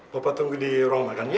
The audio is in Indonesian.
bapak tunggu di ruang makan ya